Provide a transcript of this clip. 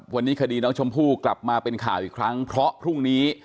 วันนี้คดีน้องชมพู่กลับมาเป็นข่าวอีกครั้งเพราะพรุ่งนี้